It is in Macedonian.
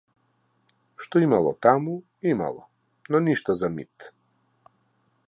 Што имало таму, имало, но ништо за мит.